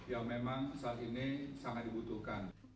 yang memang saat ini sangat dibutuhkan